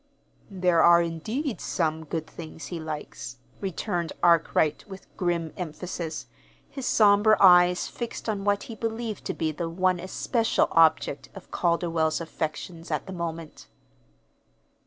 "There are, indeed, some good things he likes," returned Arkwright, with grim emphasis, his somber eyes fixed on what he believed to be the one especial object of Calderwell's affections at the moment.